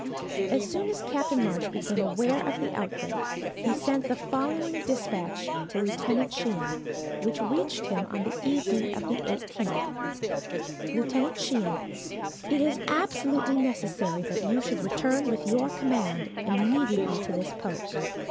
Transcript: As soon as Captain Marsh became aware of the outbreak, he sent the following dispatch to Lieutenant Sheehan, which reached him on the evening of the 18th: "Lieutenant Sheehan: "It is absolutely necessary that you should return with your command immediately to this post.